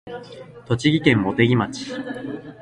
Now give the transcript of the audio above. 栃木県茂木町